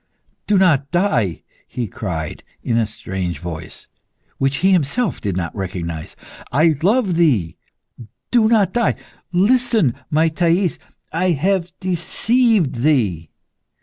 "Do not die!" he cried, in a strange voice, which he himself did not recognise. "I love thee! Do not die! Listen, my Thais. I have deceived thee?